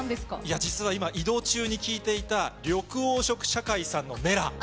実は今、移動中に聴いていた緑黄色社会さんのＭｅｌａ！